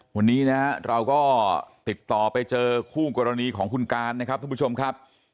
วันนี้นะครับเราก็ติดต่อไปเจอคู่กรณีของคุณการนะครับท่านผู้ชมครับ